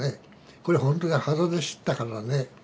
これほんとに肌で知ったからね。